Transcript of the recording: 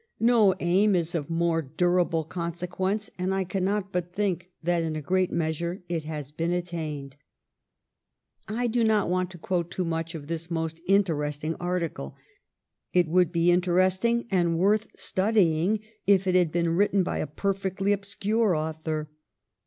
No aim is of more dura ble consequence, and I cannot but think that in a great measure it has been attained." I do not want to quote too much of this most in teresting article. It would be interesting and worth studying if it had been written by a perfectly ob scure author.